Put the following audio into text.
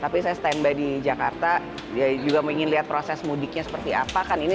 tapi saya stand by di jakarta ya juga mau ingin liat proses mudiknya seperti apa kan ini